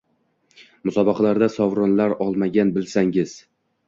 Musobaqalarda sovrinlar olganman, bilsangiz…